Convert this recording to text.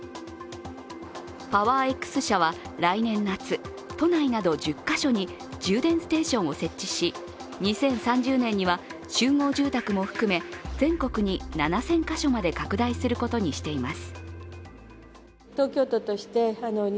パワーエックス社は来年夏、都内など１０か所に充電ステーションを設置し２０３０年には集合住宅も含め全国に７０００か所まで拡大することにしています。